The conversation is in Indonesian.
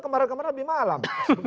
kemarin kemarin lebih malam